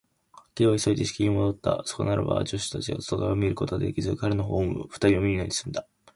Ｋ は急いで仕切り部屋へもどった。そこならば、助手たちが外から彼を見ることができず、彼のほうも二人を見ないですんだ。